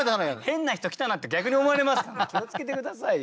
変な人来たなって逆に思われますから気を付けて下さいよ。